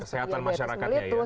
kesehatan masyarakatnya ya